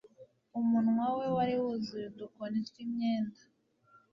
umunwa we wari wuzuye udukoni twimyenda